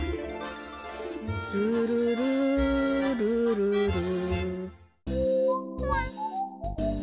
ルルルルルル。